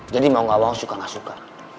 jadi mau gak mau suka gak suka